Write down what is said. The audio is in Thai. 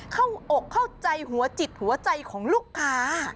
อกเข้าใจหัวจิตหัวใจของลูกค้า